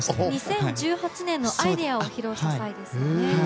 ２０１８年の「アイデア」を披露した際ですね。